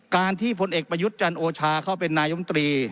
การที่พลเอกประยุทธ์จันโอชาเข้าเป็นนายมตรี